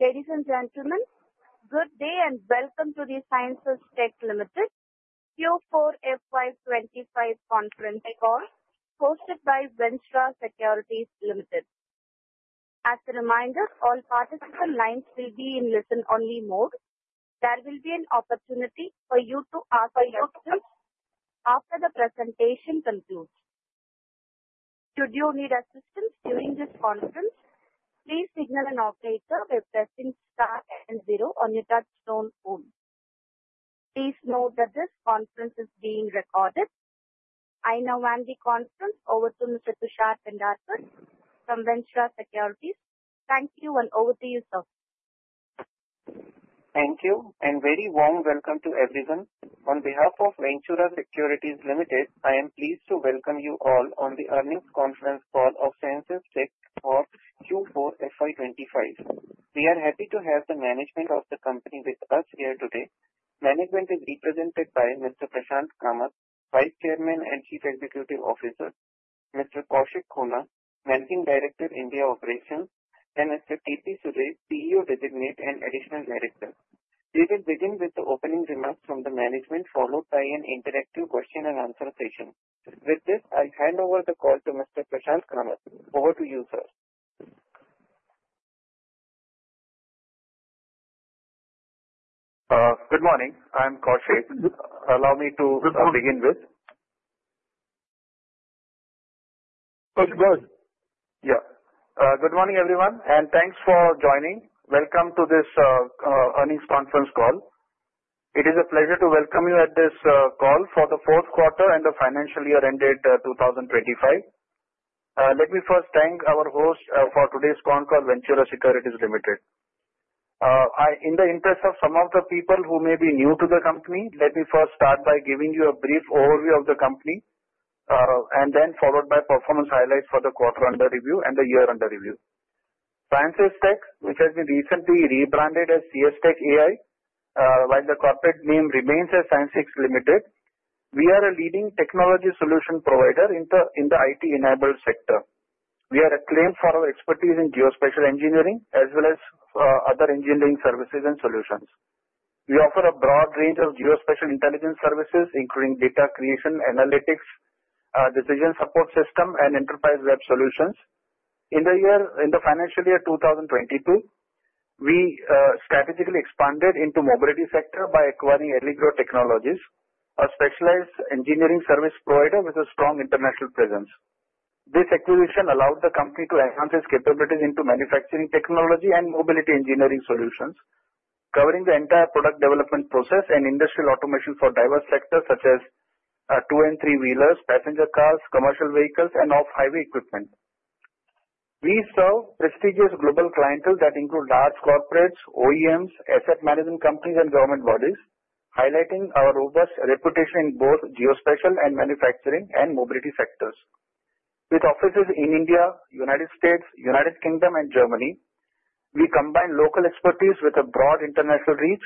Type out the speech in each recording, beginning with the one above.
Ladies and gentlemen, good day and welcome to the Ceinsys Tech Ltd. Q4 FY25 Conference Call hosted by Ventura Securities Limited. As a reminder, all participant lines will be in listen-only mode. There will be an opportunity for you to ask questions after the presentation concludes. Should you need assistance during this conference, please signal an operator by pressing star and zero on your touch-tone phone. Please note that this conference is being recorded. I now hand the conference over to Mr. Tushar Pendharkar from Ventura Securities. Thank you and over to you, sir. Thank you and very warm welcome to everyone. On behalf of Ventura Securities Limited, I am pleased to welcome you all on the earnings conference call of Ceinsys Tech for Q4 FY25. We are happy to have the management of the company with us here today. Management is represented by Mr. Prashant Kamat, Vice Chairman and Chief Executive Officer, Mr. Kaushik Khona, Managing Director, India Operations, and Mr. KP Surej, CEO Designate and Additional Director. We will begin with the opening remarks from the management, followed by an interactive question-and-answer session. With this, I'll hand over the call to Mr. Prashant Kamat. Over to you, sir. Good morning. I'm Kaushik. Allow me to begin with. Okay. Go ahead. Yeah. Good morning, everyone, and thanks for joining. Welcome to this earnings conference call. It is a pleasure to welcome you at this call for the Q4 and the Financial Year Ended 2025. Let me first thank our host for today's con call, Ventura Securities Limited. In the interest of some of the people who may be new to the company, let me first start by giving you a brief overview of the company, and then followed by performance highlights for the quarter under review and the year under review. Ceinsys Tech, which has been recently rebranded as CS TECH AI, while the corporate name remains Ceinsys Tech Ltd., we are a leading Technology Solutions provider in the IT-enabled sector. We are acclaimed for our expertise in geospatial engineering as well as other engineering services and solutions. We offer a broad range of geospatial intelligence services, including data creation, analytics, decision support system, and enterprise web solutions. In the financial year 2022, we strategically expanded into the mobility sector by acquiring AllyGrow Technologies, a specialized engineering service provider with a strong international presence. This acquisition allowed the company to enhance its capabilities into manufacturing technology and mobility engineering solutions, covering the entire product development process and industrial automation for diverse sectors such as two- and three-wheelers, passenger cars, commercial vehicles, and off-highway equipment. We serve prestigious global clientele that include large corporates, OEMs, asset management companies, and government bodies, highlighting our robust reputation in both geospatial and manufacturing and mobility sectors. With offices in India, the United States, the United Kingdom, and Germany, we combine local expertise with a broad international reach.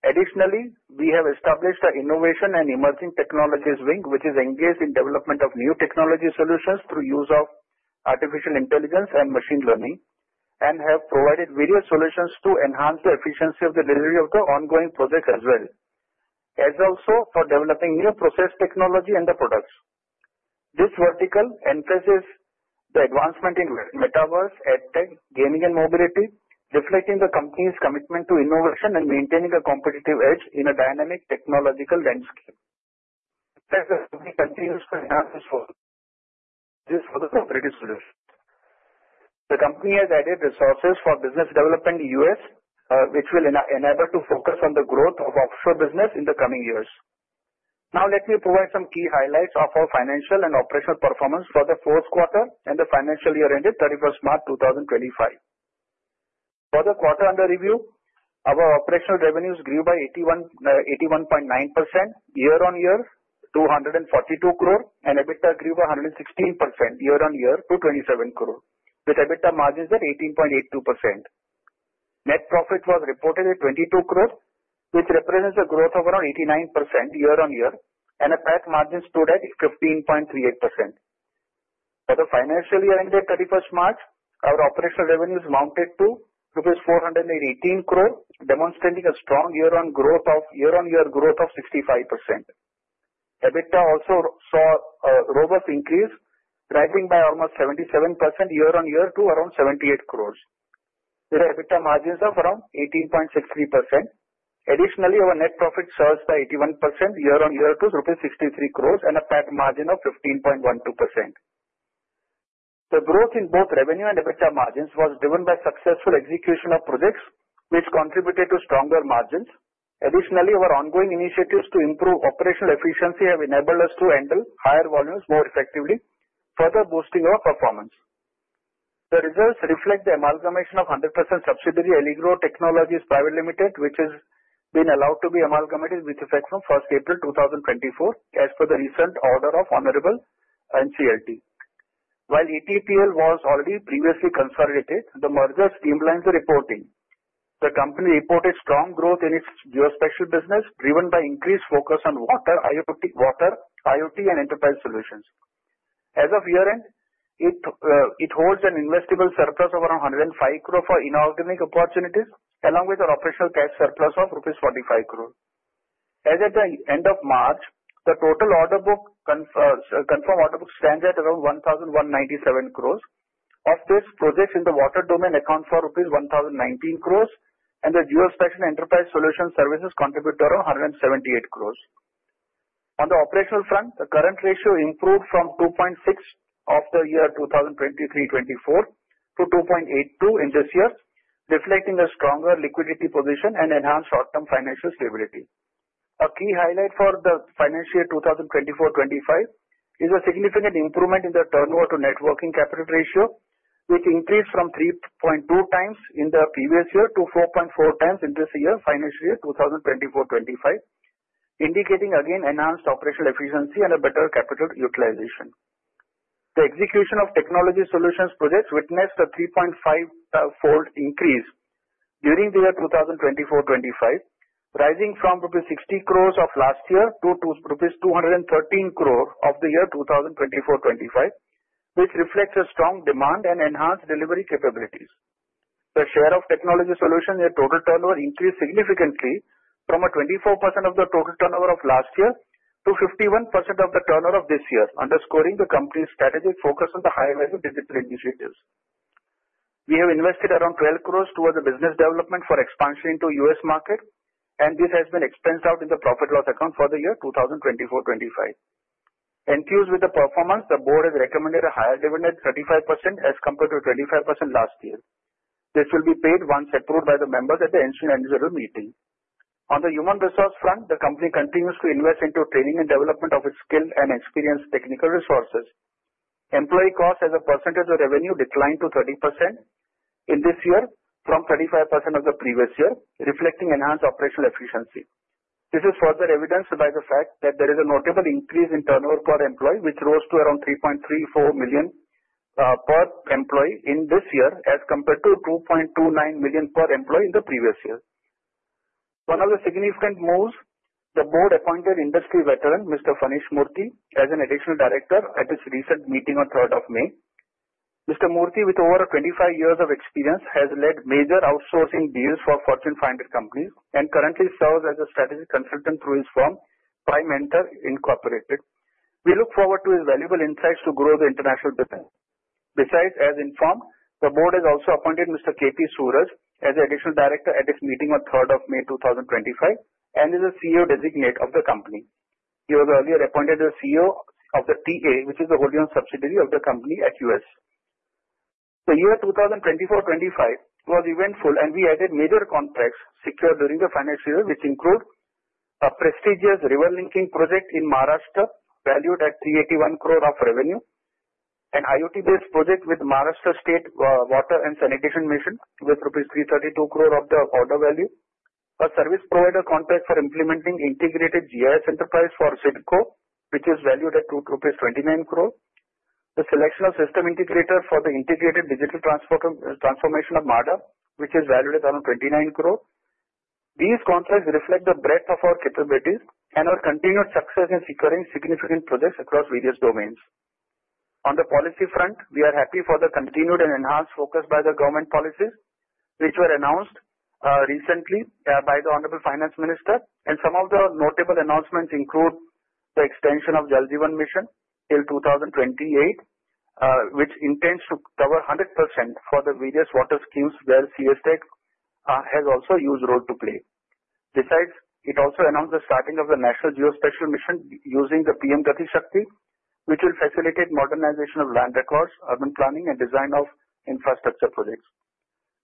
Additionally, we have established an Innovation and Emerging Technologies wing, which is engaged in the development of new Technology Solutions through the use of artificial intelligence and machine learning, and have provided various solutions to enhance the efficiency of the delivery of the ongoing projects as well as also for developing new process technology and the products. This vertical emphasizes the advancement in Metaverse, EdTech, gaming, and mobility, reflecting the company's commitment to innovation and maintaining a competitive edge in a dynamic technological landscape. This is what the company continues to enhance this for the competitive solution. The company has added resources for business development in the U.S., which will enable us to focus on the growth of offshore business in the coming years. Now, let me provide some key highlights of our financial and operational performance for the Q4 and the financial year ended 31 March 2025. For the quarter under review, our operational revenues grew by 81.9% year-on-year to 142 crore, and EBITDA grew by 116% year-on-year to 27 crore, with EBITDA margins at 18.82%. Net profit was reported at 22 crore, which represents a growth of around 89% year-on-year, and the PAT margins stood at 15.38%. For the financial year ended 31 March 2025, our operational revenues mounted to rupees 418 crore, demonstrating a strong year-on-year growth of 65%. EBITDA also saw a robust increase, rising by almost 77% year-on-year to around 78 crore, with EBITDA margins of around 18.63%. Additionally, our net profit surged by 81% year-on-year to 63 crore, and a PAT margin of 15.12%. The growth in both revenue and EBITDA margins was driven by successful execution of projects, which contributed to stronger margins. Additionally, our ongoing initiatives to improve operational efficiency have enabled us to handle higher volumes more effectively, further boosting our performance. The results reflect the amalgamation of 100% subsidiary AllyGrow Technologies Private Limited, which has been allowed to be amalgamated with effect from 1 April 2024, as per the recent order of the Honorable NCLT. While ATPL was already previously consolidated, the merger streamlines the reporting. The company reported strong growth in its geospatial business, driven by increased focus on water, IoT, and enterprise solutions. As of year-end, it holds an investable surplus of around 105 crore for inorganic opportunities, along with an operational cash surplus of rupees 45 crore. As of the end of March, the total confirmed order book stands at around 1,197 crore. Of this, projects in the water domain account for rupees 1,019 crore, and the geospatial enterprise solution services contribute around 178 crore. On the operational front, the current ratio improved from 2.6% of the year 2023-2024 to 2.82% in this year, reflecting a stronger liquidity position and enhanced short-term financial stability. A key highlight for the financial year 2024-2025 is a significant improvement in the turnover-to-net working capital ratio, which increased from 3.2x in the previous year to 4.4x in this year, financial year 2024-2025, indicating again enhanced operational efficiency and a better capital utilization. The execution of Technology Solutions projects witnessed a 3.5x increase during the year 2024-2025, rising from rupees 60 crore of last year to rupees 213 crore of the year 2024-2025, which reflects a strong demand and enhanced delivery capabilities. The share of Technology Solutions in total turnover increased significantly from 24% of the total turnover of last year to 51% of the turnover of this year, underscoring the company's strategic focus on the high-value digital initiatives. We have invested around 12 crore towards the business development for expansion into the U.S. market, and this has been expensed out in the profit and loss account for the year 2024-2025. Enthused with the performance, the board has recommended a higher dividend at 35% as compared to 25% last year. This will be paid once approved by the members at the ensuing annual meeting. On the human resource front, the company continues to invest into training and development of its skilled and experienced technical resources. Employee costs as a percentage of revenue declined to 30% in this year from 35% of the previous year, reflecting enhanced operational efficiency. This is further evidenced by the fact that there is a notable increase in turnover per employee, which rose to around 3.34 million per employee in this year as compared to 2.29 million per employee in the previous year. One of the significant moves, the board appointed industry veteran Mr. Phaneesh Murthy as an additional director at its recent meeting on 3 May 2025. Mr. Murthy, with over 25 years of experience, has led major outsourcing deals for Fortune 500 companies and currently serves as a strategic consultant through his firm, Primentor Inc. We look forward to his valuable insights to grow the international business. Besides, as informed, the board has also appointed Mr. KP Surej as an Additional Director at its meeting on 3 May 2025 and as a CEO Designate of the company. He was earlier appointed as CEO of the TA, which is the holding subsidiary of the company in the U.S. The year 2024-2025 was eventful, and we added major contracts secured during the financial year, which include a prestigious River Linking Project in Maharashtra, valued at 381 crore of revenue; an IoT-based project with Maharashtra State Water and Sanitation Mission, with rupees 332 crore of the order value; a service provider contract for implementing integrated GIS enterprise for CIDCO, which is valued at 229 crore rupees; the selection of system integrator for the Integrated Digital Transformation of MHADA, which is valued at around 29 crore. These contracts reflect the breadth of our capabilities and our continued success in securing significant projects across various domains. On the policy front, we are happy for the continued and enhanced focus by the government policies, which were announced recently by the Honorable Finance Minister. Some of the notable announcements include the extension of the Jal Jeevan Mission till 2028, which intends to cover 100% for the various Water schemes where CS Tech has also a huge role to play. Besides, it also announced the starting of the National Geospatial Mission using the PM Gati Shakti, which will facilitate modernization of land records, urban planning, and design of infrastructure projects.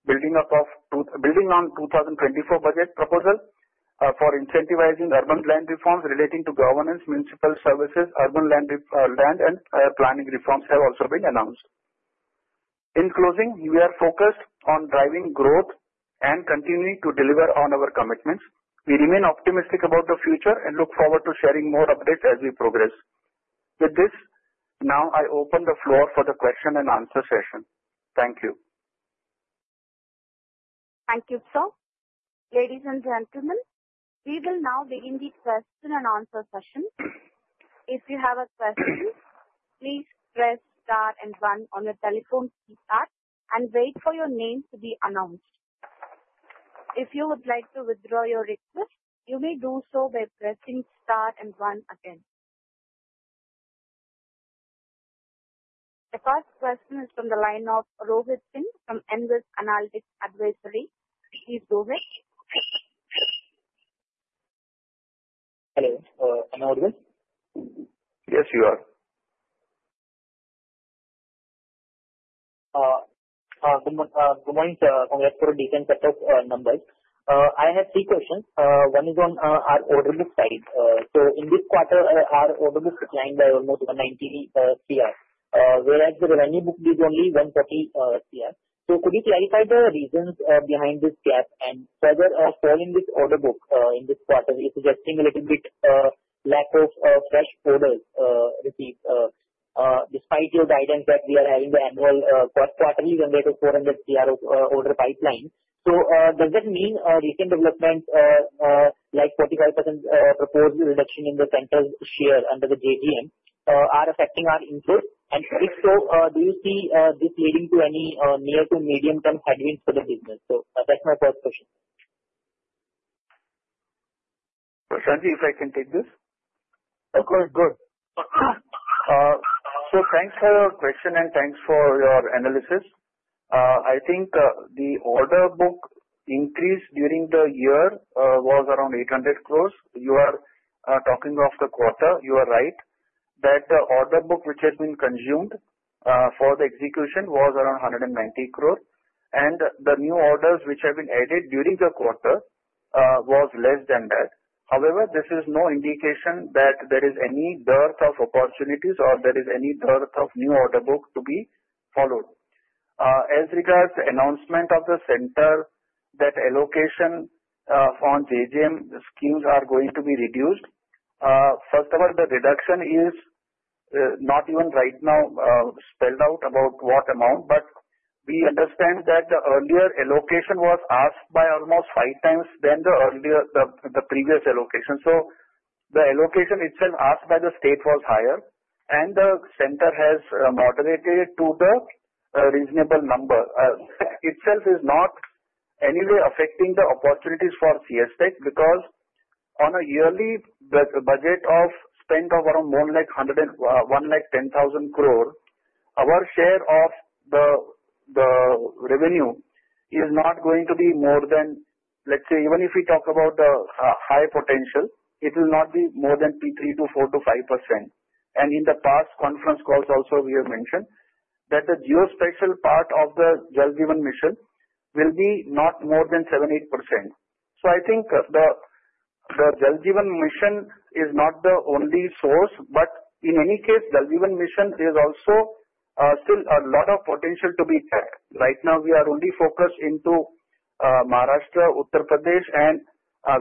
Building on the 2024 budget proposal for incentivizing urban land reforms relating to governance, municipal services, urban land, and planning reforms have also been announced. In closing, we are focused on driving growth and continuing to deliver on our commitments. We remain optimistic about the future and look forward to sharing more updates as we progress. With this, now I open the floor for the Question-and-Answer session. Thank you. Thank you, sir. Ladies and gentlemen, we will now begin the Question-and-Answer session. If you have a question, please press star and one on your telephone keypad and wait for your name to be announced. If you would like to withdraw your request, you may do so by pressing star and one again. The first question is from the line of Rohit Singh from Nvest Analytics Advisory. Please go ahead. Hello. Can I audience? Yes, you are. Good morning from the Nvest Analytics Advisory, Mumbai. I have three questions. One is on our order book side. So in this quarter, our order book declined by almost 190 crore, whereas the revenue book did only 140 crore. So could you clarify the reasons behind this gap and whether a fall in this order book in this quarter is suggesting a little bit of lack of fresh orders received despite your guidance that we are having the annual quarterly generator 400 crore order pipeline? So does that mean recent developments like 45% proposed reduction in the Centre's share under the JJM are affecting our input? And if so, do you see this leading to any near to medium-term headwinds for the business? So that's my first question. Prashant, if I can take this? Of course. Good. So, thanks for your question and thanks for your analysis. I think the order book increase during the year was around 800 crore. You are talking of the quarter. You are right that the order book which has been consumed for the execution was around 190 crore, and the new orders which have been added during the quarter were less than that. However, this is no indication that there is any dearth of opportunities or there is any dearth of new order book to be followed. As regards to the announcement of the Centre that allocation for JJM schemes are going to be reduced, first of all, the reduction is not even right now spelled out about what amount, but we understand that the earlier allocation was asked by almost five times than the previous allocation. So the allocation itself asked by the state was higher, and the Centre has moderated to the reasonable number. That itself is not anyway affecting the opportunities for CS Tech because on a yearly budget of spent of around 110,000 crore, our share of the revenue is not going to be more than, let's say, even if we talk about the high potential, it will not be more than 3% to 4% to 5%. And in the past conference calls also, we have mentioned that the geospatial part of the Jal Jeevan Mission will be not more than 78%. So I think the Jal Jeevan Mission is not the only source, but in any case, Jal Jeevan Mission is also still a lot of potential to be tapped. Right now, we are only focused into Maharashtra, Uttar Pradesh, and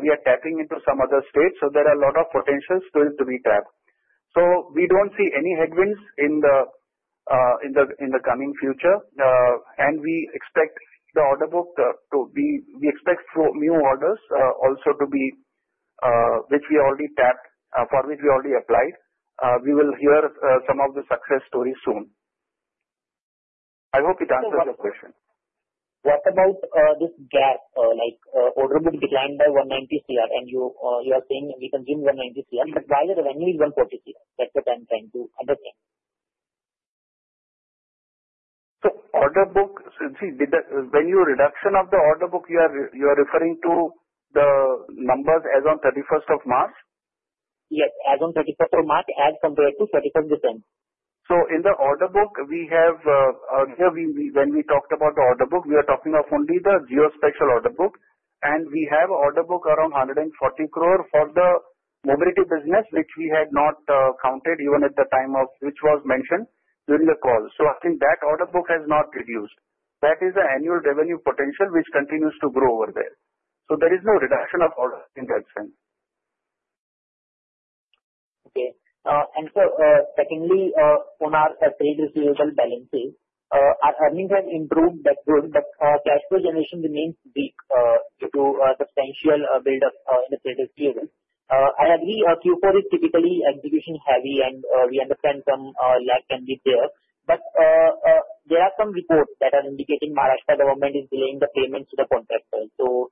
we are tapping into some other states. So there are a lot of potential still to be tapped. So, we don't see any headwinds in the coming future, and we expect the order book to be, we expect new orders also to be which we already tapped, for which we already applied. We will hear some of the success stories soon. I hope it answers your question. What about this gap? Order book declined by 190 crore, and you are saying we consumed 190 crore, but why the revenue is 140 crore? That's what I'm trying to understand. Order book—see, when you reduction of the order book, you are referring to the numbers as on 31 March 2025? Yes, as on 31 March 2025 as compared to 31 December 2024. In the order book, we have, when we talked about the order book, we are talking of only the geospatial order book, and we have order book around 140 crore for the mobility business, which we had not counted even at the time of which was mentioned during the call. So I think that order book has not reduced. That is the annual revenue potential, which continues to grow over there. So there is no reduction of order in that sense. Okay. And so, secondly, on our trade receivable balances: our earnings have improved, but cash flow generation remains weak due to a substantial build-up in the trade receivable. I agree, Q4 is typically execution-heavy, and we understand some lag can be there. But there are some reports that are indicating Maharashtra government is delaying the payments to the contractors. So,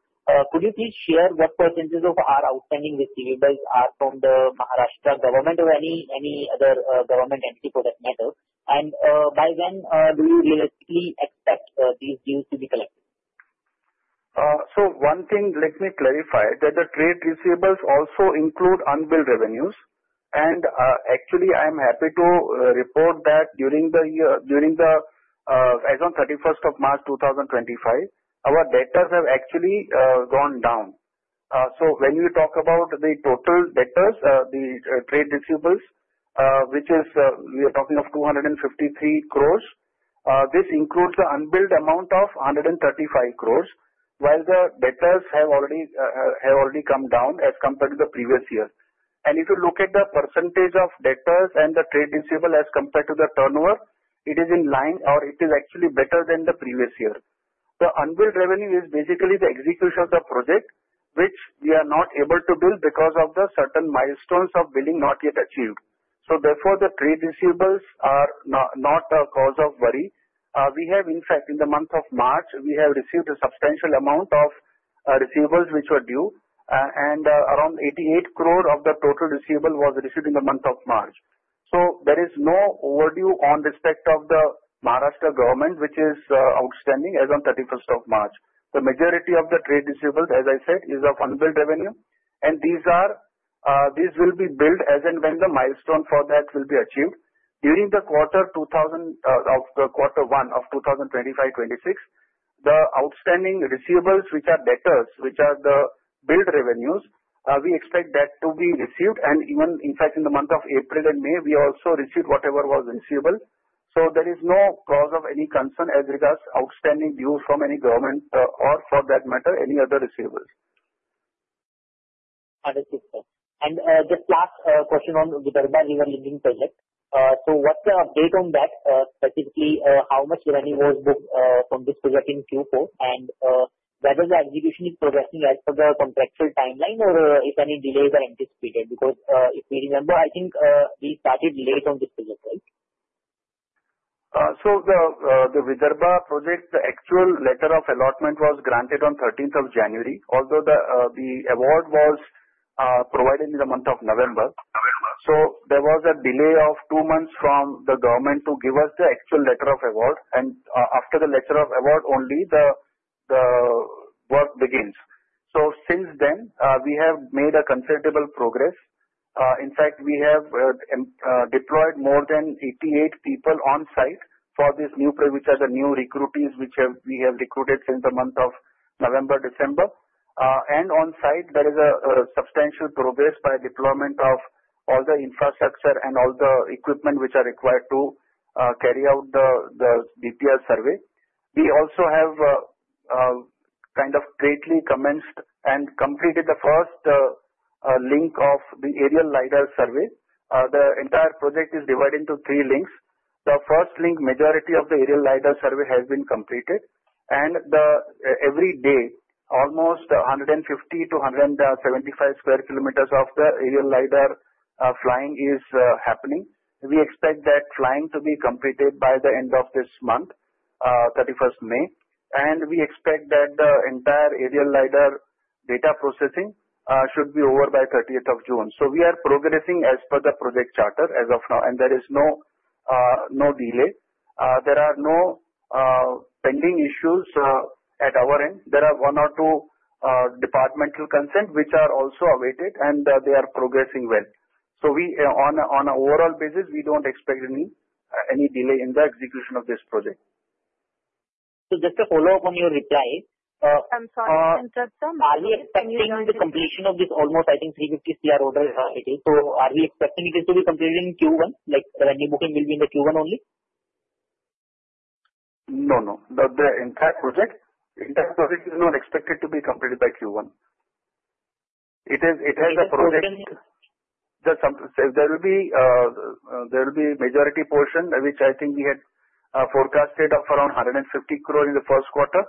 could you please share what percentage of our outstanding receivables are from the Maharashtra government or any other government entity for that matter? And by when do you realistically expect these dues to be collected? So, one thing, let me clarify that the trade receivables also include unbilled revenues. And actually, I am happy to report that during the, as of 31 March 2025, our debtors have actually gone down. So, when we talk about the total debtors, the trade receivables, which is we are talking of 253 crores, this includes the unbilled amount of 135 crores, while the debtors have already come down as compared to the previous year. And if you look at the percentage of debtors and the trade receivables as compared to the turnover, it is in line or it is actually better than the previous year. The Unbilled Revenue is basically the execution of the project, which we are not able to bill because of the certain milestones of billing not yet achieved. So therefore, the trade receivables are not a cause of worry. We have, in fact, in the month of March, we have received a substantial amount of receivables which were due, and around 88 crore of the total receivable was received in the month of March. So, there is no overdue in respect of the Maharashtra government, which is outstanding as of 31 March 2025. The majority of the trade Receivables, as I said, is of Unbilled Revenue, and these will be billed as and when the milestone for that will be achieved. During the quarter of Q1 of 2025-2026, the outstanding receivables, which are debtors, which are the Billed Revenue, we expect that to be received. And even, in fact, in the month of April and May, we also received whatever was receivable. So there is no cause of any concern as regards outstanding dues from any government or, for that matter, any other receivables. Understood, sir. And just last question on the Godavari River Linking Project. So what's the update on that? Specifically, how much revenue was booked from this project in Q4? And whether the execution is progressing as per the contractual timeline, or if any delays are anticipated? Because if we remember, I think we started late on this project, right? The Vidarbha Project, the actual Letter of Allotment was granted on 13 January 2025, although the award was provided in the month of November. There was a delay of two months from the government to give us the actual Letter of Award. After the Letter of Award, only the work begins. Since then, we have made a considerable progress. In fact, we have deployed more than 88 people on site for this new project, which are the new recruits which we have recruited since the month of November, December. On site, there is a substantial progress by deployment of all the infrastructure and all the equipment which are required to carry out the DPR survey. We also have kind of greatly commenced and completed the first link of the aerial LiDAR survey. The entire project is divided into three links. The first link, majority of the aerial LiDAR survey has been completed. Every day, almost 150 to 175 square kilometers of the aerial LiDAR flying is happening. We expect that flying to be completed by the end of this month, 31 May 2025. We expect that the entire aerial LiDAR data processing should be over by 30 June 2025. We are progressing as per the project charter as of now, and there is no delay. There are no pending issues at our end. There are one or two departmental consents, which are also awaited, and they are progressing well. On an overall basis, we don't expect any delay in the execution of this project. Just to follow up on your reply. I'm sorry. Are we expecting the completion of this almost, I think, 350 crore order? So are we expecting it to be completed in Q1? Like the revenue booking will be in the Q1 only? No, no. In fact, project is not expected to be completed by Q1. It has a project. There will be a majority portion, which I think we had forecasted of around 150 crore in the Q1,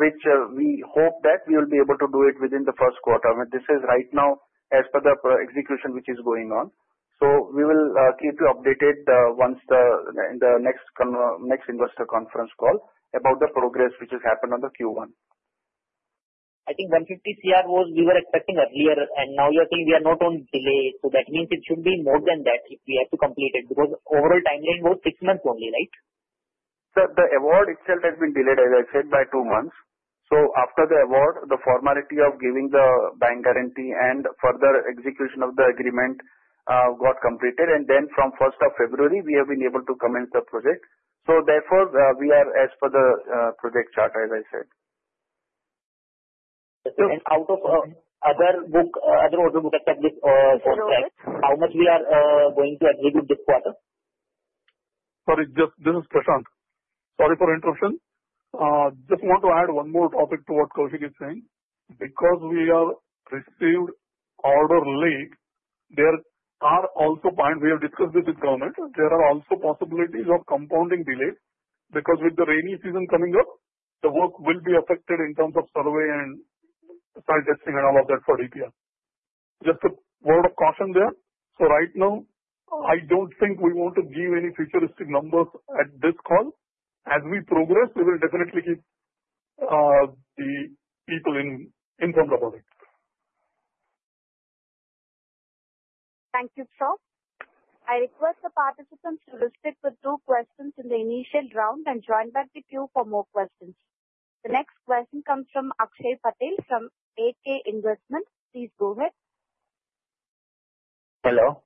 which we hope that we will be able to do it within the Q1. This is right now as per the execution which is going on. So we will keep you updated in the next investor conference call about the progress which has happened on the Q1. I think 150 CR we were expecting earlier, and now you're saying we are not on delay. So that means it should be more than that if we have to complete it because overall timeline was six months only, right? The award itself has been delayed, as I said, by two months. So after the award, the formality of giving the bank guarantee and further execution of the agreement got completed, and then from 1 February 2025, we have been able to commence the project, so therefore, we are as per the project charter, as I said. Out of other order books, how much we are going to execute this quarter? Sorry, this is Prashant. Sorry for the interruption. Just want to add one more topic to what Kaushik is saying. Because we have received order late, there are also points we have discussed with the government. There are also possibilities of compounding delay because with the rainy season coming up, the work will be affected in terms of survey and site testing and all of that for DPR. Just a word of caution there. So right now, I don't think we want to give any futuristic numbers at this call. As we progress, we will definitely keep the people informed about it. Thank you, sir. I request the participants to restrict the two questions in the initial round and join back with you for more questions. The next question comes from Akshay Patel from AK Investment. Please go ahead. Hello.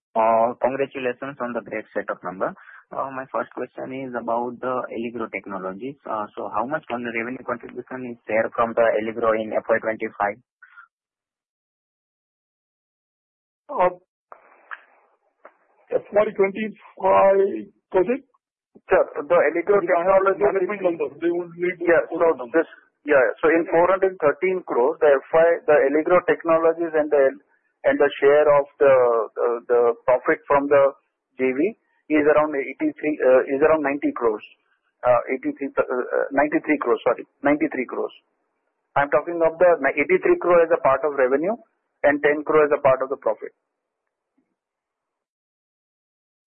Congratulations on the great set of numbers. My first question is about the AllyGrow Technologies. So how much revenue contribution is there from the AllyGrow in FY25? FY25 project? The AllyGrow Technologies management numbers. They will need to put out the numbers. Yeah, so in 413 crore, the AllyGrow Technologies and the share of the profit from the JV is around 90 crores. 93 crores, sorry. 93 crores. I'm talking of the 83 crore as a part of revenue and 10 crore as a part of the profit.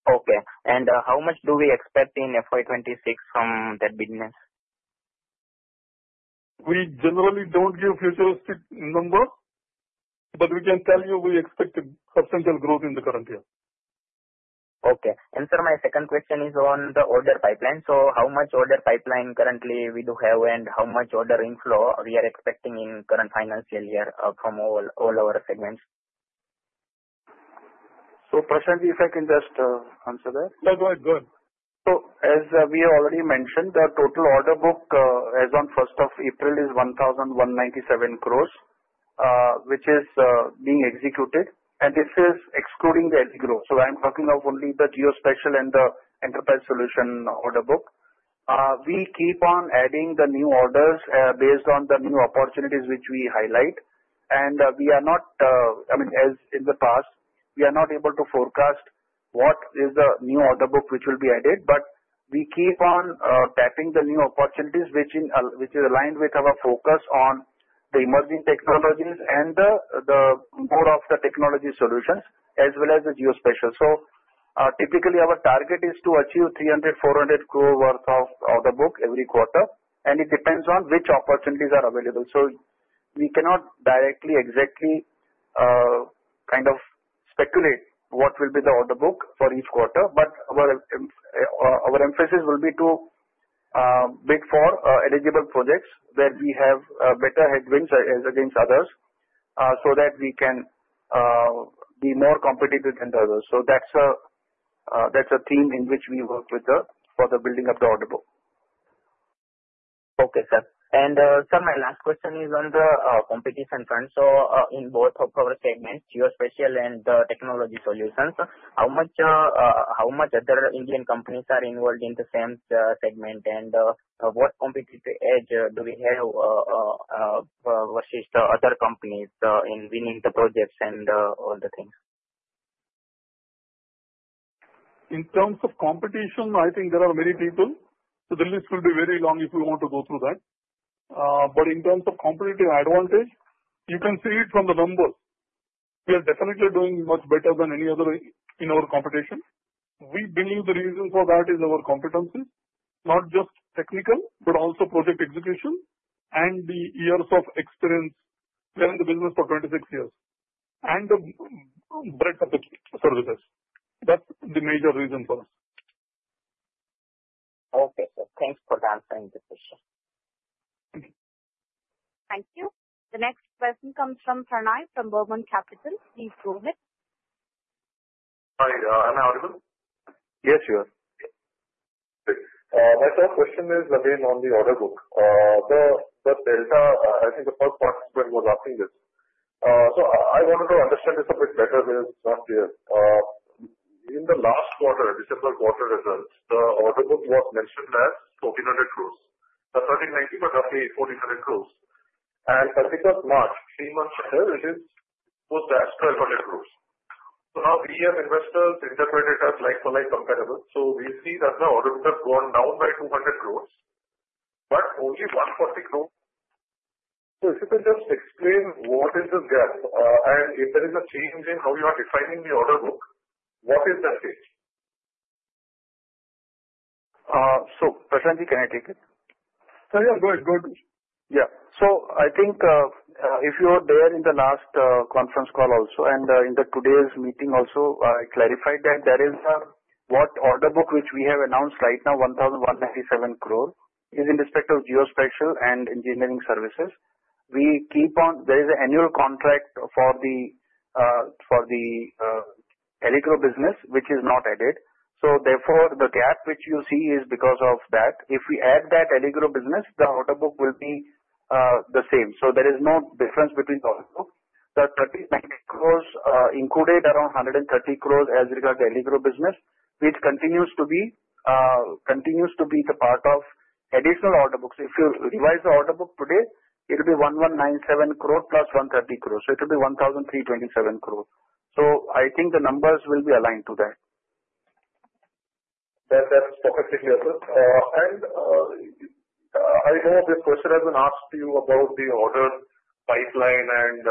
Okay, and how much do we expect in FY26 from that business? We generally don't give futuristic numbers, but we can tell you we expect substantial growth in the current year. Okay. And sir, my second question is on the order pipeline. So how much order pipeline currently we do have and how much order inflow we are expecting in current financial year from all our segments? So Prashant, if I can just answer that. Yeah, go ahead. Go ahead. As we already mentioned, the total order book as of 1 April 2025 is 1,197 crore, which is being executed. This is excluding the AllyGrow. I'm talking of only the geospatial and the enterprise solution order book. We keep on adding the new orders based on the new opportunities which we highlight. We are not, I mean, as in the past, we are not able to forecast what is the new order book which will be added, but we keep on tapping the new opportunities which is aligned with our focus on the emerging technologies and more of the Technology Solutions as well as the geospatial. Typically, our target is to achieve 300 to 400 crore worth of order book every quarter. It depends on which opportunities are available. So we cannot directly exactly kind of speculate what will be the order book for each quarter, but our emphasis will be to bid for eligible projects where we have better tailwinds against others so that we can be more competitive than the others. So that's a theme in which we work with for the building of the order book. Okay, sir. And sir, my last question is on the competition front. So in both of our segments, Geospatial and Technology Solutions, how much other Indian companies are involved in the same segment? And what competitive edge do we have versus the other companies in winning the projects and all the things? In terms of competition, I think there are many people. So the list will be very long if we want to go through that. But in terms of competitive advantage, you can see it from the numbers. We are definitely doing much better than any other in our competition. We believe the reason for that is our competency, not just technical, but also project execution and the years of experience. We are in the business for 26 years, and the breadth of the services. That's the major reason for us. Okay, sir. Thanks for answering the question. Thank you. Thank you. The next question comes from Pranay from Burman Capital. Please go ahead. Hi. Am I audible? Yes, you are. My first question is again on the order book. I think the first participant was asking this. So, I wanted to understand this a bit better because last year, in the last quarter, December quarter results, the order book was mentioned as 1,400 crores. The 1,390 crore were roughly 1,400 crores. And in particular March, three months later, it is supposed as 1,200 crores. So now we have investors interpreted as like-for-like comparable. So, we see that the order book has gone down by 200 crores, but only 140 crores. So, if you can just explain what is the gap and if there is a change in how you are defining the order book, what is the change? Prashant, can I take it? Yeah, go ahead. Go ahead. Yeah. So I think if you were there in the last conference call also and in today's meeting also, I clarified that what order book which we have announced right now, 1,197 crore, is in respect of Geospatial and Engineering Services. There is an annual contract for the AllyGrow business, which is not added. So therefore, the gap which you see is because of that. If we add that AllyGrow business, the order book will be the same. So there is no difference between the order book. The 1,390 crores included around 130 crores as regards to AllyGrow business, which continues to be the part of additional order books. If you revise the order book today, it will be 1,197 crore plus 130 crores. So it will be 1,327 crore. So I think the numbers will be aligned to that. That's perfectly clear, sir. And I know this question has been asked to you about the order pipeline and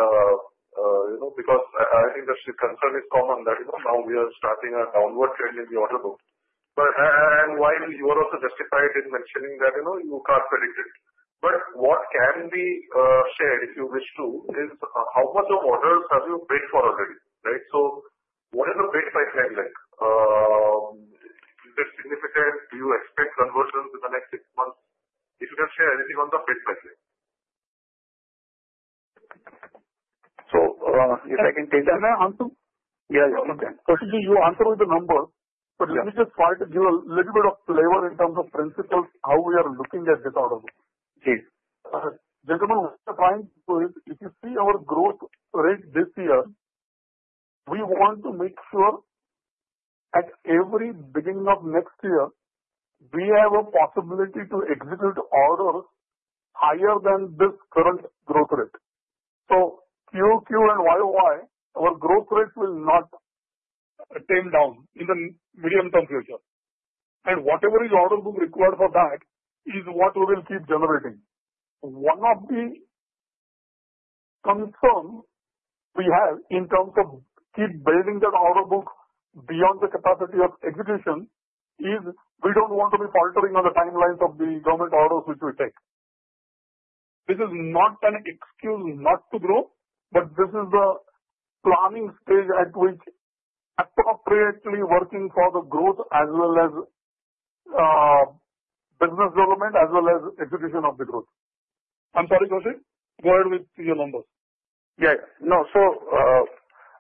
because I think the concern is common that now we are starting a downward trend in the order book. And while you were also justified in mentioning that you can't predict it. But what can be shared, if you wish to, is how much of orders have you bid for already, right? So what is the bid pipeline like? Is it significant? Do you expect conversions in the next six months? If you can share anything on the bid pipeline? So if I can take that. Can I answer? Yeah, yeah. Okay. Okay. Prashant, do you answered with the numbers. But let me just try to give a little bit of flavor in terms of principles how we are looking at this order book. Please. Gentlemen, what we are trying to do is if you see our growth rate this year, we want to make sure at every beginning of next year, we have a possibility to execute orders higher than this current growth rate. So QoQ and YoY, our growth rates will not tame down in the medium-term future. And whatever is order book required for that is what we will keep generating. One of the concerns we have in terms of keep building that order book beyond the capacity of execution is we don't want to be faltering on the timelines of the government orders which we take. This is not an excuse not to grow, but this is the planning stage at which appropriately working for the growth as well as business development as well as execution of the growth. I'm sorry, Kaushik? Go ahead with your numbers. Yeah, yeah. No, so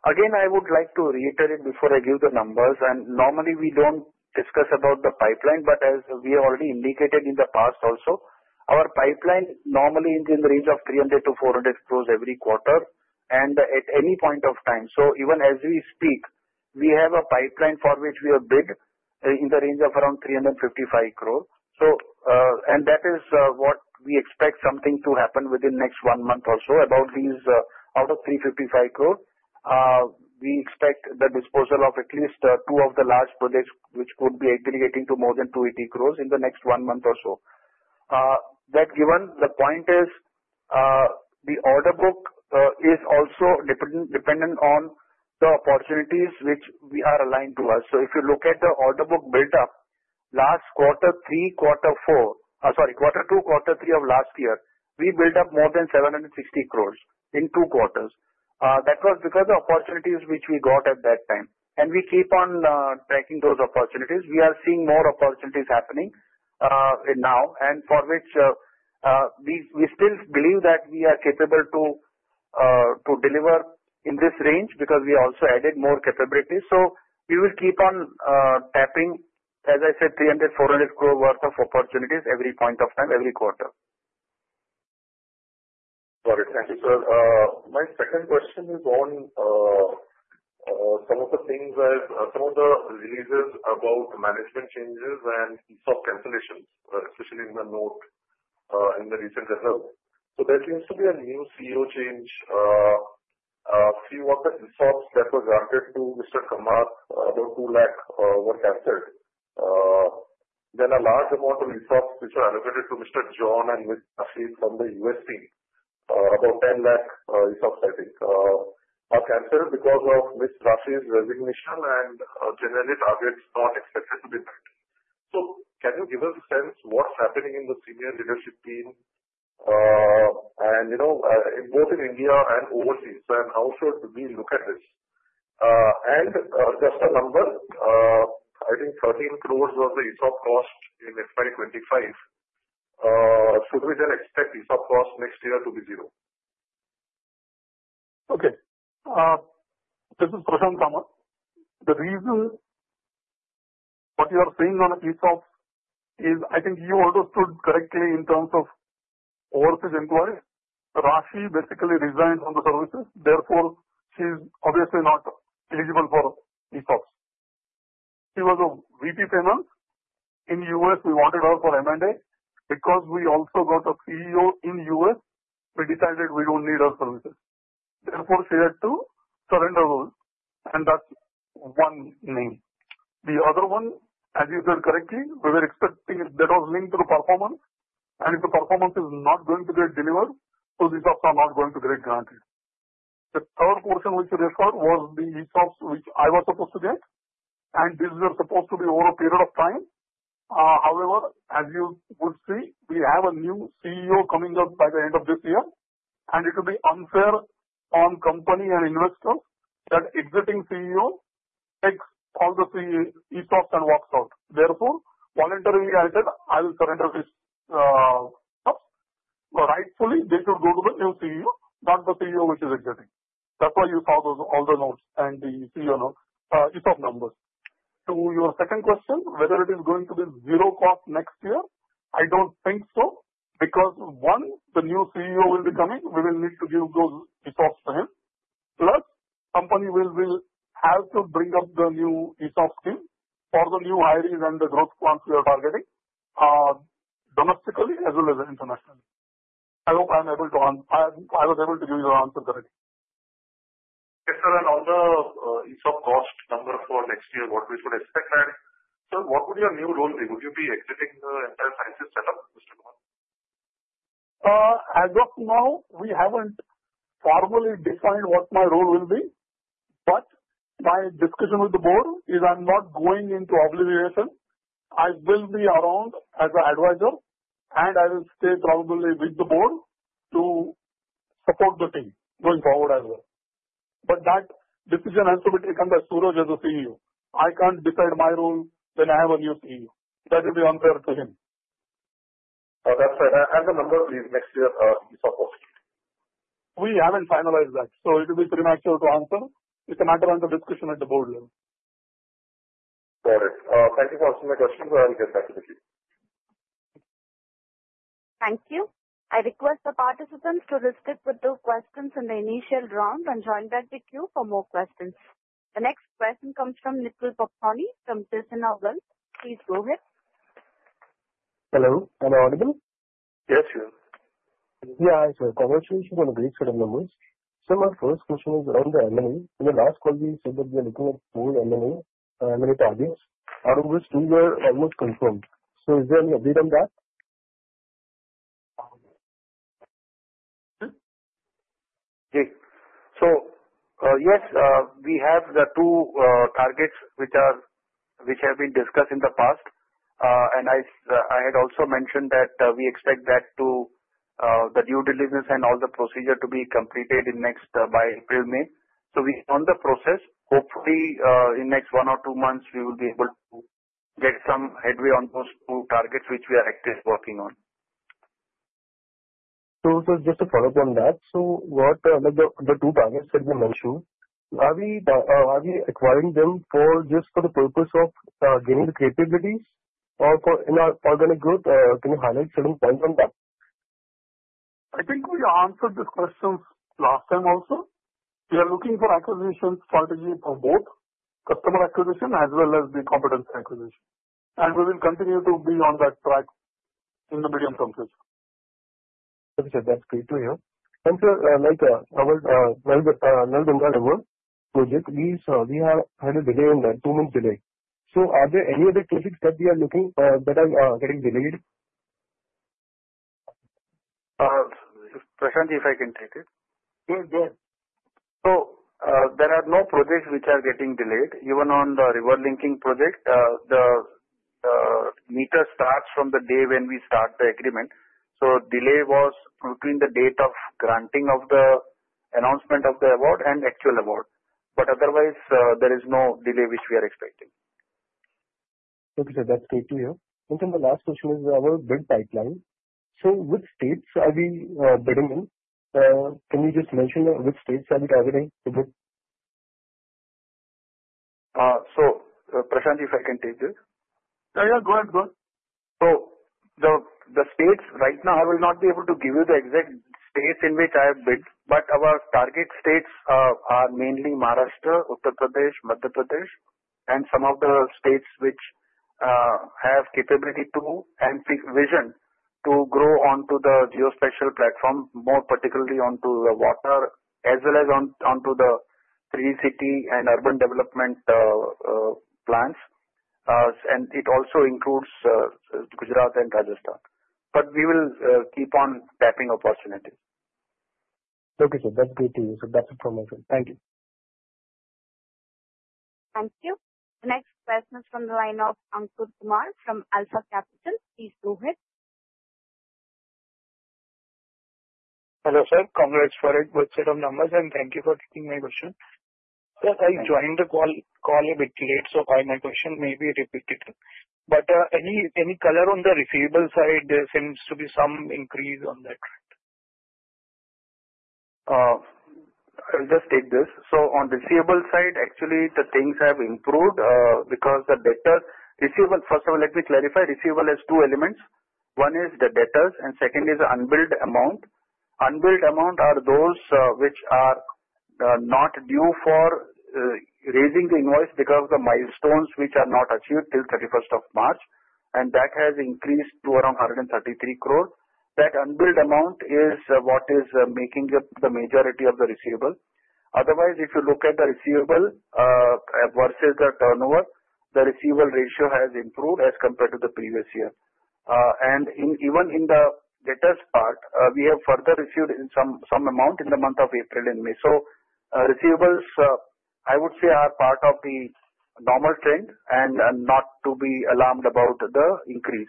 again, I would like to reiterate before I give the numbers, and normally, we don't discuss about the pipeline, but as we have already indicated in the past also, our pipeline normally is in the range of 300-400 crores every quarter and at any point of time, so even as we speak, we have a pipeline for which we have bid in the range of around 355 crore. And that is what we expect something to happen within the next one month or so about these, out of 355 crore. We expect the disposal of at least two of the large projects which could be aggregating to more than 280 crores in the next one month or so. That given, the point is the order book is also dependent on the opportunities which we are aligned to us. So if you look at the order book build-up, last quarter, Q3, Q4, sorry, Q2, Q3 of last year, we built up more than 760 crore in two quarters. That was because of the opportunities which we got at that time. And we keep on tracking those opportunities. We are seeing more opportunities happening now, and for which we still believe that we are capable to deliver in this range because we also added more capabilities. So we will keep on tapping, as I said, 300-400 crore worth of opportunities every point of time, every quarter. Got it. Thank you, sir. My second question is on some of the things as some of the releases about management changes and ESOP cancellations, especially in the note in the recent results. So, there seems to be a new CEO change. A few of the ESOPs that were granted to Mr. Kamat, about 2 lakh were canceled. There are a large amount of ESOPs which are allocated to Mr. John and Ms. Rafee from the U.S. team, about 10 lakh ESOP, I think. Are canceled because of Ms. Rafee's resignation and generally targets not expected to be met. So, can you give us a sense of what's happening in the senior leadership team and both in India and overseas? And how should we look at this? And just a number, I think 13 crore was the ESOP cost in FY25. Should we then expect ESOP cost next year to be zero? Okay. This is Prashant Kamat. The reason what you are saying on ESOP is I think you understood correctly in terms of overseas employees. Rafee basically resigned from the services. Therefore, she's obviously not eligible for ESOPs. She was a VP female. In the U.S., we wanted her for M&A because we also got a CEO in the U.S. who decided we don't need her services. Therefore, she had to surrender those. And that's one name. The other one, as you said correctly, we were expecting that was linked to the performance. And if the performance is not going to get delivered, those ESOPs are not going to get granted. The third portion which we referred was the ESOPs which I was supposed to get. And these were supposed to be over a period of time. However, as you would see, we have a new CEO coming up by the end of this year, and it will be unfair on company and investors that the exiting CEO takes all the ESOPs and walks out. Therefore, voluntarily, I said, I will surrender these ESOPs. Rightfully, they should go to the new CEO, not the CEO which is exiting. That's why you saw all the notes and the ESOP numbers. To your second question, whether it is going to be zero cost next year, I don't think so because, one, the new CEO will be coming. We will need to give those ESOPs to him. Plus, the company will have to bring up the new ESOP scheme for the new hiring and the growth plans we are targeting domestically as well as internationally. I hope I was able to give you the answer correctly. Yes, sir. And on the ESOP cost number for next year, what we should expect there, sir, what would your new role be? Would you be exiting the entire Ceinsys setup, Mr. Kamat? As of now, we haven't formally defined what my role will be, but my discussion with the board is I'm not going into obligation. I will be around as an advisor, and I will stay probably with the board to support the team going forward as well, but that decision has to be taken by Surej as the CEO. I can't decide my role when I have a new CEO. That will be unfair to him. That's fair, and the number be next year ESOP posted? We haven't finalized that. So it will be pretty natural to answer. It's a matter of the discussion at the board level. Got it. Thank you for answering my questions. I will get back to the queue. Thank you. I request the participants to restrict with the questions in the initial round and join back the queue for more questions. The next question comes from Nikhil Poptani from Kizuna Wealth. Please go ahead. Hello. Am I audible? Yes, you are. Yeah, I'm sorry. Conversations on the breakthrough numbers. Sir, my first question is around the M&A. In the last call, you said that we are looking at four M&A targets. Our overall figure is almost confirmed. So is there any update on that? So yes, we have the two targets which have been discussed in the past. And I had also mentioned that we expect that the due diligence and all the procedure to be completed by April, May. So we are on the process. Hopefully, in the next one or two months, we will be able to get some headway on those two targets which we are actively working on. So just to follow up on that, so the two targets that you mentioned, are we acquiring them just for the purpose of gaining the capabilities or for an organic growth? Can you highlight certain points on that? I think we answered this question last time also. We are looking for acquisition strategy for both customer acquisition as well as the competency acquisition, and we will continue to be on that track in the medium-term future. Okay, that's great to hear. And sir, like our River Linking Project, we have had a delay in that, two months' delay. So, are there any other topics that we are looking that are getting delayed? Prashant, if I can take it. Yeah, yeah. So there are no projects which are getting delayed. Even on the River Linking Project, the meter starts from the day when we start the agreement. So delay was between the date of granting of the announcement of the award and actual award. But otherwise, there is no delay which we are expecting. Okay, sir, that's great to hear. And then the last question is our bid pipeline. So which states are we bidding in? Can you just mention which states are we targeting to bid? So Prashant, if I can take this. Yeah, yeah, go ahead, go ahead. So the states right now, I will not be able to give you the exact states in which I have bid. But our target states are mainly Maharashtra, Uttar Pradesh, Madhya Pradesh, and some of the states which have capability to and vision to grow onto the Geospatial platform, more particularly onto the Water as well as onto the 3D city and urban development plans. And it also includes Gujarat and Rajasthan. But we will keep on tapping opportunities. Okay, sir, that's great to hear. So that's information. Thank you. Thank you. The next question is from the line of Ankur Kumar from Alpha Capital. Please go ahead. Hello, sir. Congrats for it with the set of numbers, and thank you for taking my question. Sir, I joined the call a bit late, so my question may be repeated, but any color on the receivable side, there seems to be some increase on that. I'll just take this. So on receivable side, actually, the things have improved because the Debtor, Receivable, first of all, let me clarify. Receivable has two elements. One is the Debtors, and second is the Unbilled Amount. Unbilled Amount are those which are not due for raising the invoice because of the milestones which are not achieved till 31st of March. And that has increased to around 133 crore. That Unbilled Amount is what is making up the majority of the Receivable. Otherwise, if you look at the Receivable versus the turnover, the Receivable Ratio has improved as compared to the previous year. And even in the Debtors' part, we have further received some amount in the month of April and May. So, Receivables, I would say, are part of the normal trend and not to be alarmed about the increase,